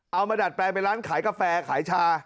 เอามาดัดไปไปร้านขายกาแฟค่ายชา